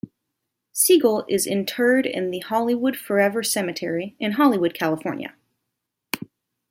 Siegel is interred in the Hollywood Forever Cemetery in Hollywood, California.